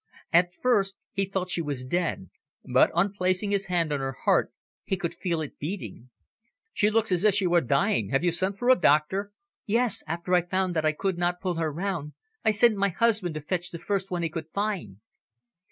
At first he thought she was dead, but, on placing his hand on her heart, he could feel it beating. "She looks as if she were dying. Have you sent for a doctor?" "Yes. After I found that I could not pull her round, I sent my husband to fetch the first one he could find."